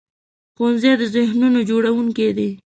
ښوونځی د ذهنونو جوړوونکی دی